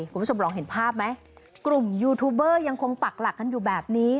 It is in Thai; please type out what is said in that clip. คุณผู้ชมลองเห็นภาพไหมกลุ่มยูทูบเบอร์ยังคงปักหลักกันอยู่แบบนี้